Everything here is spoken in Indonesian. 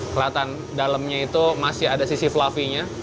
kelihatan dalamnya itu masih ada sisi fluffy nya